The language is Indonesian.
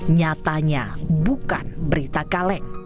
nyatanya bukan berita kaleng